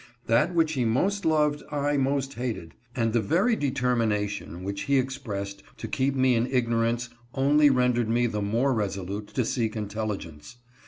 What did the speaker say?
That which he most loved I most hated ; and the very determination which he expressed to keep me in ig norance only rendered me the more resolute to seek intel ligence.